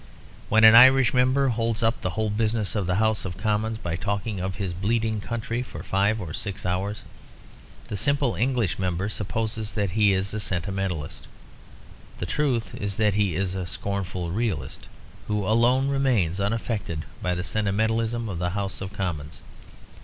When an Irish member holds up the whole business of the House of Commons by talking of his bleeding country for five or six hours, the simple English members suppose that he is a sentimentalist. The truth is that he is a scornful realist who alone remains unaffected by the sentimentalism of the House of Commons.